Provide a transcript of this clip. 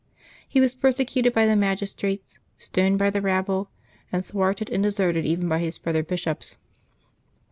He was persecuted by the magistrates, stoned by the rabble, and thwarted and deserted even by his brother bishops.